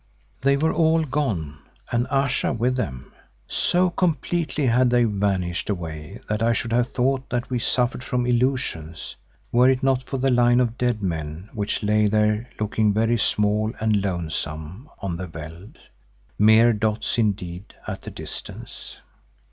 They were all gone and Ayesha with them. So completely had they vanished away that I should have thought that we suffered from illusions, were it not for the line of dead men which lay there looking very small and lonesome on the veld; mere dots indeed at that distance.